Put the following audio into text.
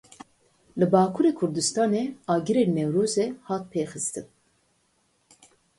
Li Bakurê Kurdistanê agirê Newrozê hat pêxistin.